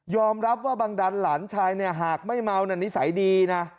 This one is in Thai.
ยอมรับว่าบังดันหลานชายหากไม่เมานั่นนิสัยดีนะ